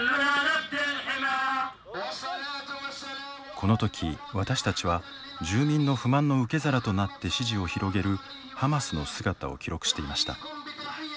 この時、私たちは住民の不満の受け皿となって支持を広げるハマスの姿を記録していました。